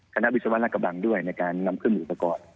คณะวิศวรรภ์รักบังด้วยในการนำเครื่องหมูสกร